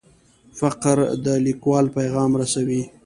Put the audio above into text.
فقره د لیکوال پیغام رسوي.